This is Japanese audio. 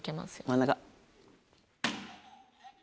真ん中！